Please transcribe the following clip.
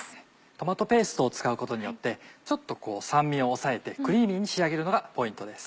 トマトペーストを使うことによってちょっと酸味を抑えてクリーミーに仕上げるのがポイントです。